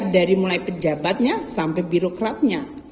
dari mulai pejabatnya sampai birokratnya